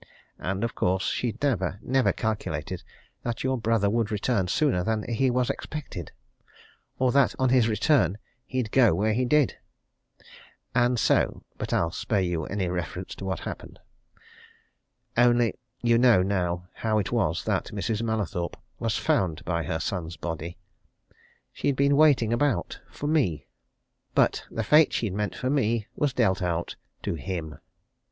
And, of course, she'd never, never calculated that your brother would return sooner than he was expected, or that, on his return, he'd go where he did. And so but I'll spare you any reference to what happened. Only you know now how it was that Mrs. Mallathorpe was found by her son's body. She'd been waiting about for me! But the fate she'd meant for me was dealt out to him!"